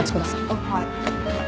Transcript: あっはい。